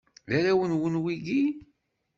D arraw-nwen wigi?